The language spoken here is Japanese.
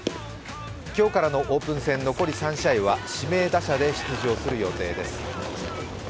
今日からのオープン戦残り３試合は指名打者で出場する予定です。